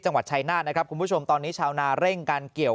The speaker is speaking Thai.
จังหวัดชายนาฏนะครับคุณผู้ชมตอนนี้ชาวนาเร่งการเกี่ยว